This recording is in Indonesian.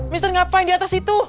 mister ngapain diatas itu